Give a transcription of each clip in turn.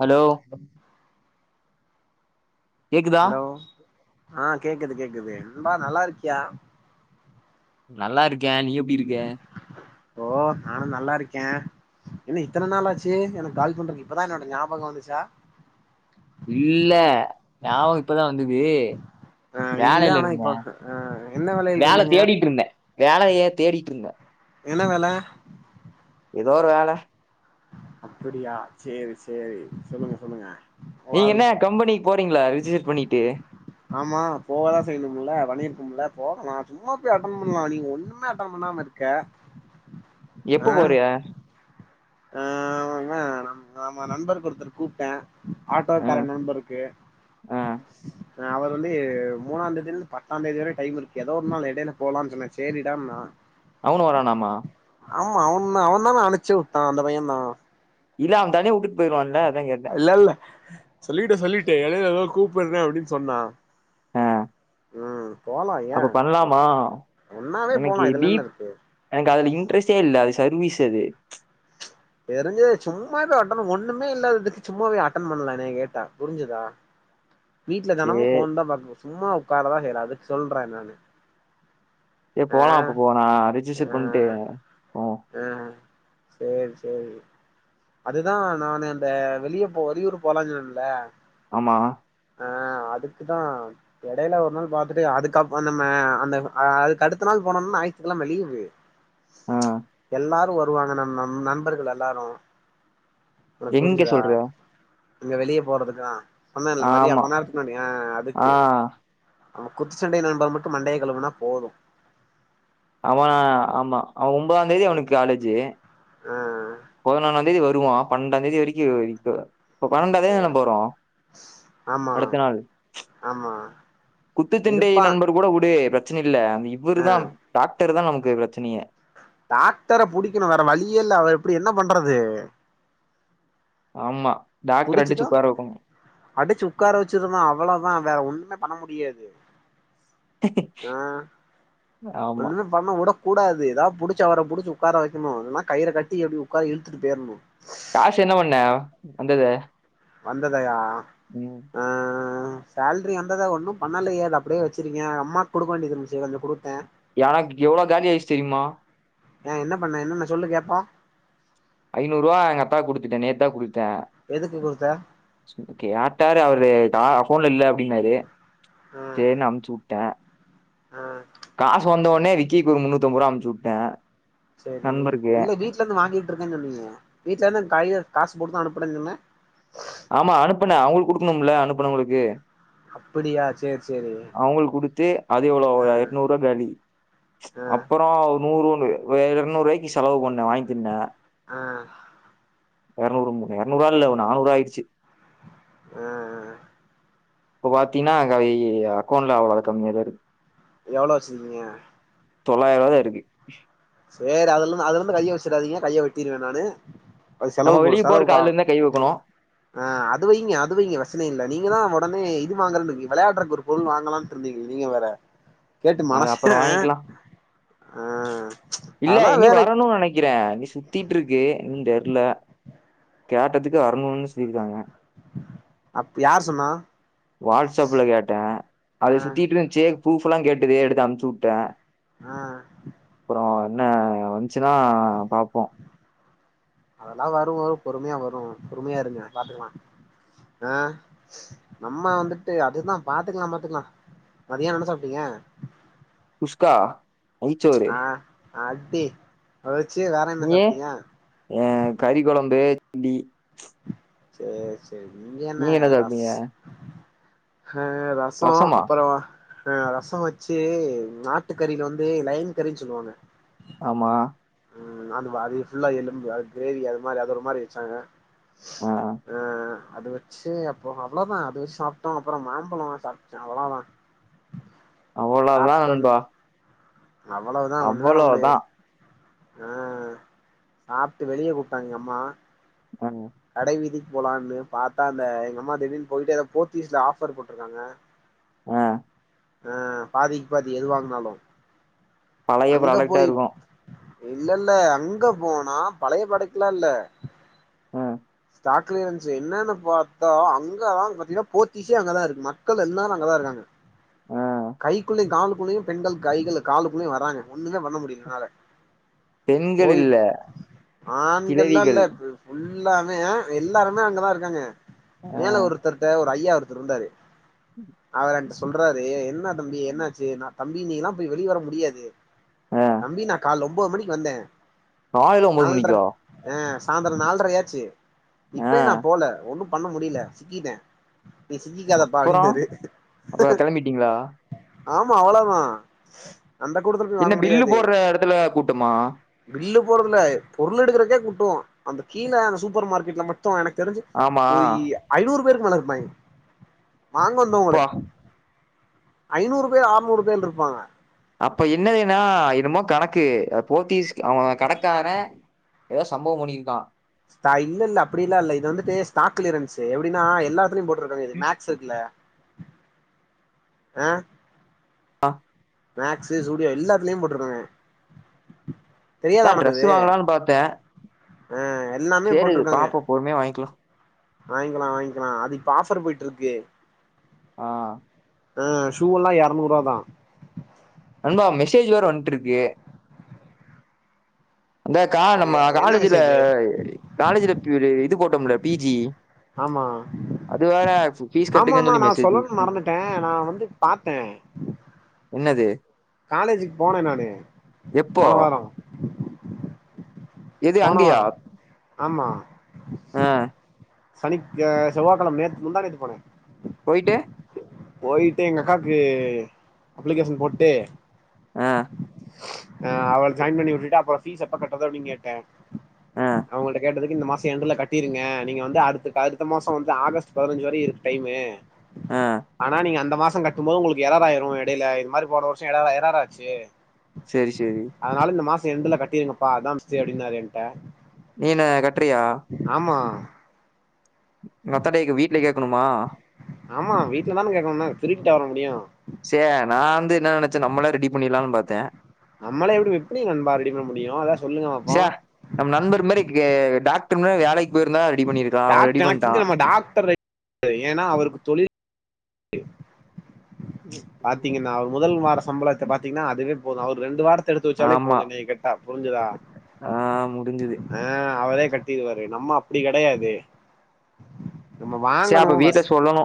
Hello கேக்குதா hello ஆ கேக்குது கேக்குது நண்பா நல்லாருக்கியா நல்லாருக்கே நீ எப்டி இருக்க ஓ நானு நல்லாருக்கே என்ன இத்தன நாள் ஆச்சி எனக்கு கால் பண்றதுக்கு இப்பதா என்னோட ஞாபகோ வந்துச்சா இல்ல ஞாபகோ இப்பதா வந்தது ஆ இல்ல வேலையில ஆனா இருந்தே இப்ப ஆ என்ன வேலையில வேல இருந்தீங்க தேடிட்டு இருந்தே வேலய தேடிட்டு இருந்த என்ன வேல எதோ ஒரு வேல அப்டியா சேரி சேரி சொல்லுங்க சொல்லுங்க நீங்க வாழ் என்ன கம்பெனிக்கு போறீங்களா ரிசிச்ர் பண்ணிட்டு ஆமா போவதா செய்யணுமுல பண்ணிருக்கோம்ல போக நா சும்மா போய் அட்டன் பண்ணலா நீங்க ஒண்ணுமே அட்டன் பண்ணாம இருக்கீங்க க எப்ப போறிய ஆ இவெ நம்ம நண்பர் ஒருத்தர்க்கு கூப்ட்டே ஆட்டோக்கார ம் நண்பருக்கு ம் அவரு வந்து மூணா தேதில இருந்து பத்தா தேதி வர டைம் இருக்கு ஏதோ ஒரு நாள் இடையில போலான்னு சொன்னே சேரிடான்னா அவனு வரானாமா ஆமா அவனு தா அவெ தானே அனுச்சி விட்டா அந்த பைய தா இல்ல அவெ தனியா விட்டுட்டு போய்ருவான்ல அதா கேட்டே இல்ல இல்ல சொல்லிட்டு சொல்லிட்டு இடைல ஏதோ கூப்பிட்றே அப்டின்னு சொன்னா அஹ் ம் போலா ஏ அப்ப பண்லாமா ஒன்னாவே அன்னக்கி போலா இதுல என்ன டீப் இருக்கு எனக்கு அதுல இன்ட்ரெஸ்ட்டே இல்ல அது சர்வீஸ் அது தெரிஞ்சது சும்மா போய் அட்டன் ஒண்ணுமே இல்லாததுக்கு சும்மா போய் அட்டன் பண்ணலா என்னய கேட்டா புரிஞ்சுதா வீட்ல சரி தெனமு ஃபோன் தா பாப்போ சும்மா உட்காரதா செய்யறோ அதுக்கு சொல்றே நானு ஏ ஆ போலா அப்ப போலா ரிஜிஸ்டர் பண்ட்டு ம் அ சேரி சேரி அதுதா நானு அந்த வெளிய போ வெளியூர் போலானு சொன்னல்ல ஆமா ஆ அதுக்குதா எடைல ஒரு நாள் பாத்துட்டு அதுக்கப் நம்ம அந்த அதுக்கு அடுத்த நாள் போனோனா ஞாயித்து கிழம லீவ்வு ஆ எல்லாரு வருவாங்க நம்ம நண்பர்கள் எல்லாரு உனக்கு எங்க புருஞ்சதா சொல்ற இங்க வெளிய போறதுக்குதா சொன்னேல மரியா ஆமா [unintelligible] ஆ ஆ அதுக்கு நம்ம குத்துச்சண்டை நண்பர் மட்டு மண்டய கழுவுனா போது ஆவ ஆமா அவ ஒம்பொதா தேதி அவனுக்கு காலேஜு ம் பதினொனாந் தேதி வருவா பன்னெண்டா தேதி வரிக்கி [unintelligible] இப்ப பன்னெண்டா தேதி தான நம் போறோ ஆமா அடுத்த நாள் ஆமா குத்துச்சண்டை இருப்பா நண்பர் கூட உடு பிரச்சன இல்ல அந்த ஆ இவரு தா டாக்டர் தா நமக்கு பிரச்சனையே டாக்டர புடிக்கணு வேற வழியே இல்ல அவர் எப்டி என்ன பண்றது ஆமா டாக்டர அடிச்சு புடிச்சுதா உட்கார வைக்கணும். அடுச்சு உக்கார வச்சிருதா அவ்வளதா வேற ஒன்னுமே பண்ண முடியாது அ ஆமா. ஒன்னுமே பண்ண உடக் கூடாது எதா புடுச்சு அவர புடுச்சு உக்கார வைக்கனு இல்லனா கயிற கட்டி இப்டி உக்காரு இழுத்துட்டு போயிர் காசு என்ன பண்ண வந்தது வந்ததயா ம் ம் சேல்ரி வந்தத ஒன்னு பண்ணலையே அது அப்டியே வச்சிருக்கே அம்மாக்கு குடுக்க வேண்டியது இருந்துச்சு கொஞ்சோ குடுத்தே எனக்கு எவ்ளோ காலியாயிச்சி தெரியுமா ஏ என்ன பண்ண என்னன்ன சொல்லு கேப்போ ஐந்நூறுவா எங்கத்தாக்கு குடுத்துட்டே நேத் தா குடுத்தே எதுக்கு குடுத்த கேட்டாரு அவரு தா அக்கௌண்ட்ல இல்ல அப்டின்னாரு ம் சேரினு அம்ச்சுவுட்டே ம் காசு வந்தவொன்னே விக்கிக்கு ஒரு முன்னூத்தம்பருவா அமுச்சுவுட்டே செரி இல்ல வீட்ல இருந்து வாங்கிட்டு இருந்தே சொன்னியே வீட்ல இருந்து கைல காசு போட்டுதா அனுப்புன்னன்னு சொன்ன ஆமா அனுப்புனே அவுங்களுக்கு குடுக்கணும்ல அனுப்புனவுங்களுக்கு அப்புடியா சேரி சேரி அவுங்களுக் குடுத்து அது எவ்ளோ ஒ ஆ எட்நூறுவா காலி ஆ அப்பறோ நூறுன்னு வே எரநூறுவாய்க்கு செலவு பண்ணே வாங்கி திண்ணே அ எரநூறு [unintelligible] எரநூறுவா இல்ல நானூறுவா ஆயிடுச்சு அ அ இப்ப பாத்தின்னா கவி அக்கௌண்ட்ல அவ்ளோத கம்மியா தா இருக்கு எவ்ளோ வச்சுருக்கீங்க தொள்ளாயருவா தா இருக்கு சேரி அதுல இருந்து அதுல இருந்து கைய வச்சுடாதீங்க கைய வெட்டிருவே நானு அது நம்ம செலவு போடு வெளிய போறக்கு செலவுக் அதுல ஆகு இருந்துதான் கை வைக்கணும். அ அது வைங்க அது வைங்க பிரச்சன இல்ல நீங்க தா ஒடனே இது வாங்கறன்னு வெளையாடுறக்கு ஒரு பொருள் வாங்கலான் டிருந்தீங் நீங்க வேற கேட்டு அது மனச அப்புறம் வாங்கிக்கலாம். அ இல்ல இனி வரனோ நெனைக்கிற சுத்திட்டு இருக்கு இன்னுந் தெர்ல கேட்டதுக்கு வரனோன்னு சொல்லியிருக்காங்க அப் யார் சொன்னா வாட்ஸ்அப்ல கேட்ட அது ஆ சுத்திட்டு இருந்ச்சு ஃப்ரூப்பல்லா கேட்டுது எடுத்து அமுச்சுவுட்ட அ அப்றோ என்ன வந்ச்சுன்னா பாப்போ அதெல்லா வரு வரு பொறுமையா வரு பொறுமையா இருங்க பாத்துக்கலா அ நம்ம வந்துட்டு அதுதா பாத்துக்லா பாத்துக்லா மதியானோ என்ன சாப்ட்டீங்க குஷ்க்கா ஆ அட்டி வெச்சு வேற என்ன ஏ சாப்ட்டீங்க ஏ கறி குழம்பு டி சேர் சேரி இங்க என்ன நீங்க ரஸ் சாப்ட்டீங்க ஹ ரசோ ரசமா அப்றோ ஹ ரசம் வச்சு நாட்டு கறில வந்து லயின் கறின்னு சொல்லுவாங்க ஆமா உம் அது அது ஃபுல்லா எலும்பு அது கிரேவி அது மாரி அதது ஒரு மாரி வெச்சாங்க ஆ அது வெ ச்சு அப்போ அவ்ளோதா அது வெச்சு சாப்ட்டோ அப்றோ மாம்பழம் சாப்பச்சோ அவ்ளோதா அவ்வளோதா நண்பா அவ்ளவுதா ஒண்ணுமே பண்ண முடியாது அவ்வளோதா ஆ சாப்ட்டு வெளிய கூப்ட்டாங்க எங்கம்மா ஆ கடை வீதிக்கு போலான்னு பாத்தா அந்த எங்க அம்மா திடீர்னு போயிட்டு அத போத்தீஸ்ல ஆஃபர் போட்டிருக்காங்க ஆ ஆ பாதிக் பாதி எது வாங்னாலு பழைய அங்க ப்ராடக்டா போயி இருக்கு இல்ல இல்ல அங்க போனா பழைய படைக்கலா இல்ல ஆ சாக்கல இருந்துச்சு என்னன்னு பாத்தா அங்கதா பாத்தீங்கனா போத்திசே அங்கதா இருக்கு மக்கள் எல்லாரு அங்கதாருக்காங்க ஆ கைக்குள்ளயையு காலுக்குள்ளயு பெண்கள் கைககள் காலுக்குள்ளயு வராங்க ஒண்ணுமே வண்ண முடியல என்னால பெண்கள் இல்ல ஆண்கெல்லா இல்ல கிழவிகள் எல்லாமே எல்லாருமே அங்கதா இருக்காங்க ஆ மேல ஒருத்தர்கிட்ட ஒரு ஐயா ஒருத்த இருந்தாரு அவர் என்ட்ட சொல்றாரு என்ன தம்பி என்னாச்சு தம்பி நீ எல்லா போய் வெளி வர முடியாது ஆ தம்பி நா காலைலா ஒன்பது மணிக்கு வந்தே காலைல ஒம்போது நால்ர மணிக்கா ஆ சாய்ந்தர நாலரையாச்சு ஆ இப்பயு நா போல ஒண்ணு பண்ண முடில சிக்கிட்டே நீ சிசிக்காதப்பா அப்பறோ அப்டின்னாரு அப்ப கெளம்பிட்டீங்களா ஆமா அவ்வளோதா அந்த கூட்டத்ல என்ன பில்லு போடுற இடத்துல கூட்டமா பில்லு போறதுல பொருள் எடுக்கறக்கே குட்டம் அந்த கீழே அந்த சூப்பர் மார்க்கெட்ல மட்டு மொத்தோ எனக் தெரிஞ்சு ஆமா ஒரு ஐநூறு பேருக்கு மேல இருப்பாய்ங் வாங்கந்து ங்களே அப்பா ஐநூறு பேர் ஆர்நூறு பேர் இருப்பாங்க அப்ப என்னதுனா இனுமோ கணக்கு போத்திஸ் அவ கடக்காரே எதோ சம்பவம் பண்ணிருக்கா தா இல்லல்ல அப்பிடில்லா இல்ல இது வந்துட்டு ஸ்டாக் க்ளியரன்ஸு எப்டினா எல்லாத்துலயு போ ட்ருக்கற்து இது மேக்ஸ் இருக்குல்ல ஆ அ மேக்ஸு, ஸூடியோ எல்லாத்துலயு போட்ருக்காங்க அதா ட்ரஸ்ஸு வாங்கலான் பாத்தே அ எல்லாமே சேரி போட்ருக்காங்க பாப்போ பொறுமையா வாங்கிக்கலா வாய்ங்கலா வாய்ங்கலா அது இப்ப ஆஃபர் போய்ட்ருக்கு ஆ ஆ ஷூ எல்லா எரநூர்ருவா தா நண்பா மெசேஜ் வேற வந்ட்ருக்கு அந்த கா நம்ம அப்படியா என்ன காலேஜுல மெசேஜு காலேஜுல ப்யூரி இது போட்டம்ல்ல பி ஜி ஆமா அது வேற ஃபீஸ் கட்டுங்கன்னு ஆமாமா சொல்லி நா மெசேஜ் சொல்லணுன் மறந்துட்டே நா வந்து பாத்தே என்னது காலேஜுக் போனே நானு எப்போ போன வாரோ எது போன அங்கயா வாரம் ஆமா ஆ சனிக் ஆ செவ்வாகெழம நேத் முந்தா நேத்து போனே போய்ட்டு போய்ட்டு எங்க அக்காக்கு அப்ளிகேஷன் போட்டு ஆ ஆ அவள ஜாயின் பண்ணி உட்டுட்டு அப்றோ ஃபீஸ் எப்ப கட்றது அப்டின் கேட்டே ஆ அவங்கள்ட்ட கேட்டதுக்கு இந்த மா ச எண்டுல கட்டீருங்க நீங்க வந்து அடுத்து அடுத்த மாசோ வந்து ஆகஸ்ட் பதினஞ்சு வர இருக்கு டைமு ஆ ஆனா நீங்க அந்த மாசோ கட்டும் போது உங்களுக்கு ஏரராய்ரு எடைல இது மாரி போன வர்ஷோ ஏரர் ஏரராய் ச்சு சேரி சேரி அதுனால இந்த மாச எண்டுல கட்டீருங்கப்பா அதா சேஃப்டின்னாரு என்ட்ட நீ என்ன கட்றியா ஆமா மத்த டேக்கு வீட்ல கேக்கணுமா ஆமா வீட்ல தான கேக்கணுன்ன திருடிட்டா வர முடியு சே நா வந்து என்ன நெனச்ச நம்மளே ரெடி பண்ணீர்லான் பாத்தே நம்மளே எப்டி எப்பிடி நண்பா ரெடி பண்ண முடியு அதா சொல்லுங்க பாப்போ சே நம்ம நண்பரு மாரி கே டாக்டர் மார் வேலைக் போயிர்ந்தா ரெடி பண்ணீருக் டாக் [unintelligible] டாக்டர் [inaudible] ஏனா அவருக்கு தொழில் பாத்தீங்கன்னா முதல் வார சம்பளத்த பாத்தீங்ன்னா அதுவே போது அவுர் ரெண்டு வாரத் த எடுத்து வெச்சாலே ஆமா போது என்னய கேட்டா புரிஞ்சிதா ஆ முடிஞ்சுது ஆ அவரே கட்டீர்வாரு நம்ம அப்டி கெடையாது நம்ம சரி வாங்கணு அப்ப வீட்ல வஸ் சொல்லணு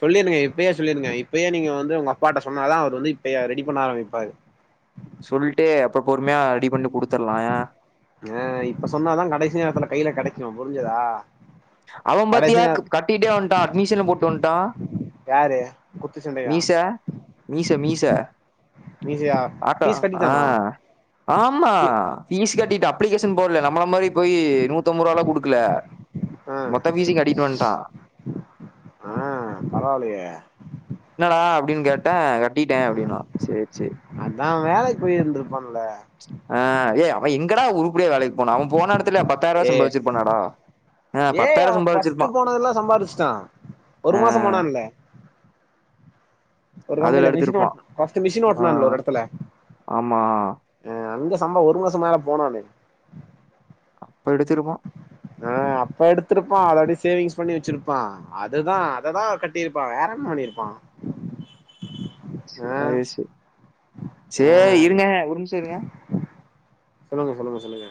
சொல்லீருங்க இப்பயே சொல்லீருங்க இப்பயே நீங்க வந்து உங்கப்பாட்ட சொன்னாதா அவுர் வந்து இப்பயே ரெடி பண்ண ஆரம்பிப்பாரு சொல்ட்டு அப்ப பொறுமையா ரெடி பண்ணி குடுத்தர்லா ஆ இப்ப சொன்னாதா கடைசி நேரத்துல கைல கெடைக்கு புரிஞ்சிதா அவ பாத்தீங்ளா க் கட்டீட்டே வந்ட்டா அட்மிஷனு போட்டு வந்ட்டா யாரு குத்து சண்டையா மீச மீச மீச மீசையா ஆட்டோ ஃபீஸ் ஆ கட்டிட்டானா ஆமா ஃபீஸ் கட்டிட்டான் அப்ளிகேஷன் போடல நம்மள மாதிரி போய் நூத்தம்பது ரூபலா குடுக்கல ஆ மொத்த ஃப்ஸையு கட்டிட்டு வன்டான் ஆ பரவாயில்லயே என்னடா அப்டின்னு கேட்டேன் கட்டிட்டேன் அப்டின்னா சேரி சேரி அதான் வேலைக்கு போயிருந்திருப்பான்ல ஆ ஏய் அவன் எங்கடா உருப்டியா வேலைக்கு போனான் அவன் போன எடத்து ல பத்தாயிருவா ஏ சம்பாதிச்சிருப்பானாடா ம் பத்தாயிரே சம்பாதிச்சிருப்பான். போனெல்லாம் சம்பாதிச்சுட்டான் ஒரு மாசம் போனான்ல. ஒரு அதுல கம்பனில மிஷின் எடுத்திருப்பா ஓட்ட் மிஷின் ஆ ஓட்டலாம்ல்ல ஒரு எடத்துல ஆமா ஆ அங்க சம்பா ஒரு மாசம் மேல போனாலே அப்ப எடுத்திருப்பான் ஆ அப்ப எடுத்திருப்பான் ஆல் ரெடி சேவிங்ஸ் பண்ணி வச்சிருப்பான். அதுதான் அததான் கட்டியிருப்பான் வேற என்ன பண்ணிருப்பான். சேரி சேரி ஆ சேரி இருங்க ஒரு நிமிஷம் இருங்க சொல்லுங்க சொல்லுங்க சொல்லுங்க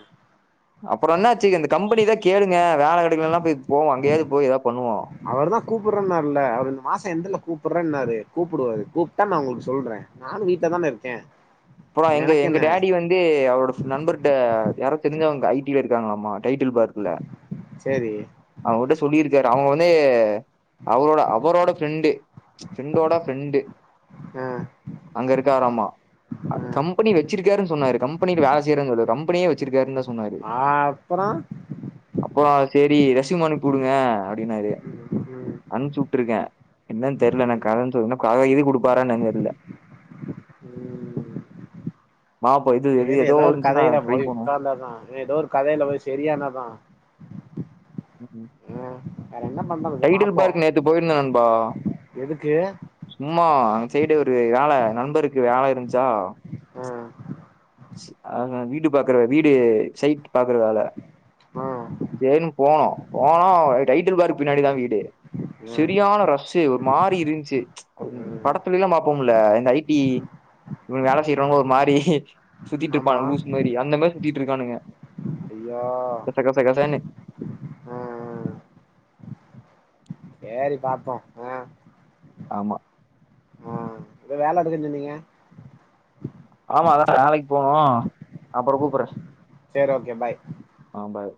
அப்றம் என்னாச்சு இந்த கம்பெனிதான் கேளுங்க வேலை கெடைக்குலல்லாம் போய் போவோம் அங்கையாவது போய் ஏதாது பண்ணுவோம். அவர் தான் கூப்றேன்னாருல்ல அவரு இந்த மாசம் எண்டுல கூப்றேனாரு கூப்பிடுவாரு கூப்ட்டா நான் உங்களுக்கு சொல்றேன் நானும் வீட்ல தானே இருக்கேன் அப்றம் எங்க எங்க டாடி வந்து அவரோட நண்பர்கிட்ட யாரா தெரிஞ்ச அவங்க ஐ டி ல இருக்காங்களாமா டைட்டில் பார்க்குல சேரி அவங்ககிட்ட சொல்லியிருக்காரு அவங்க வந்து அவரோட அவரோட ஃப்ரெண்டு ஃப்ரெண்டோட ஃப்ரெண்டு ஆ அங்க இருக்காராமா கம்பெனி வச்சிருக்காருன்னு சொன்னாரு கம்பெனில வேலை செய்யறன்னு சொல்லல கம்பெனியே வச்சிருக்காருனு ஆ அப்றம் அப்றோ செரி ரெசிம் அனுப்புடுங்க அப்டின்னாரு ம் அனுச்சுட்டுருக்கேன் என்னன்னு தெரில நான் ம் கதைன்னு சொ கத எது கொடுப்பாரானு தெரில மாப்போ இது எது செரி ஏதோ ஒரு இருந்துச்சுன்னா கதைல ட்ரை போய் பண்ணுவோம் உக்கார்ந்தாதான் ஏதோ ஒரு கதைல போய் சரியானாதான் ம் வேற என்ன பண்றது டைடில் பாப்போ பார்க்கு நேத்து போயிருந்தே நண்பா எதுக்கு சும்மா அங்க சைடு ஒரு வேலை நம்பருக்கு வேலை இருந்துச்சா ம் ஆ வீடு பாக்குறத வீடு சைட் பாக்றதால ம் செரினு போனோம் போனோ டைட்டில் பார்க்கு பின்னாடிதான் வீடு ம் செரியான ரஸ்ஸு ஒரு மாறிஇருந்துச்சு ம் படத்துலல்லாம் பாப்போம் ல இந்த ஐ டி வேலை செய்றவங்க ஒரு மாரி சுத்திட்டு ஆமா இருப்பானு லூசுமாரி அந்த மாரி சுத்திட்டு இருக்கானுங்க யா [unintelligible] செரி பாப்போம் ஆ ஆமா ஆ இப்ப வேலை இருக்குனு சொன்னீங்க ஆமா அதான் நாளைக்கு போவோம் அப்றம் கூப்றேன் செரி ஓகே பாய் ஆ பாய்